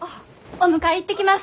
お迎え行ってきます！